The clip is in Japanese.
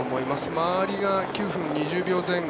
周りが９分２０秒前後。